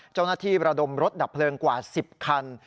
เจ้าหน้าที่ระดมรถดับเพลิงกว่า๑๐คัน